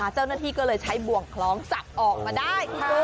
เจ้าหน้าที่ก็เลยใช้บ่วงคล้องจับออกมาได้